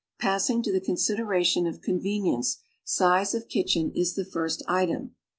Passing to the consideration of convenience, size of kitchen is the first item.